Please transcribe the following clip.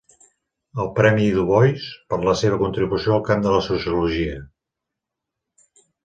El premi Du Bois per la seva contribució al camp de la sociologia.